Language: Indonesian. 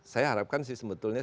saya harapkan sih sebetulnya